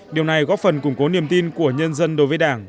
điều này góp phần củng cố niềm tin của nhân dân đối với đảng